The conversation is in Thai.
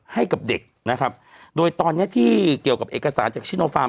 ให้กับเด็กนะครับโดยตอนเนี้ยที่เกี่ยวกับเอกสารจากชิโนฟาร์ม